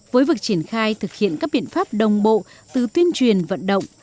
với việc triển khai thực hiện các biện pháp đồng bộ từ tuyên truyền vận động